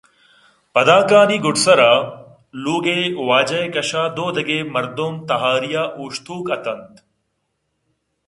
پدیانکانی گُڈسرءَ لوگ ءِ واجہ ءِکش ءَ دو دگہ مردم تہاری ءَ اوشتوک اِت اَنت